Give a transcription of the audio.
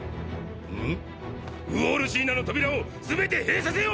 ん⁉ウォール・シーナの扉をすべて閉鎖せよ！！